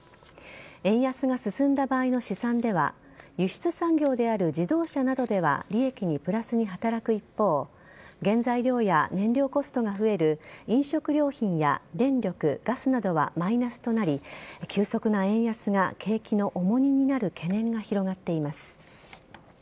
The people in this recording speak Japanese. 円安が進んだ場合の試算では輸出産業である自動車などでは利益にプラスに働く一方原材料や燃料コストが増える飲食料品や電力、ガスなどはマイナスとなり急速な円安が景気の重荷になる懸念が広がっています。